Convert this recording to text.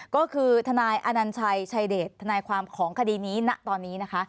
ก็คือทนายอนัญชัยชายเดชทนายความของคดีนี้ณตอนนี้นะคะ